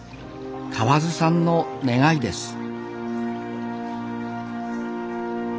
河津さんの願いです